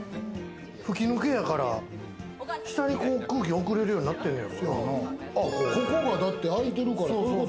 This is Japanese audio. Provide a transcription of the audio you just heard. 吹き抜けやから下に、こう空気をおくれるようになってんのよ。